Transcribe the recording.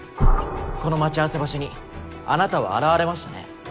この待ち合わせ場所にあなたは現れましたね？